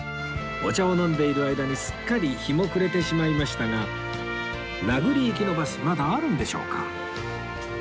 お茶を飲んでいる間にすっかり日も暮れてしまいましたが名栗行きのバスまだあるんでしょうか？